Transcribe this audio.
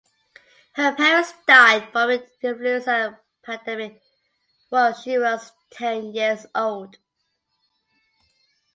Her parents died from an influenza pandemic was she was ten years old.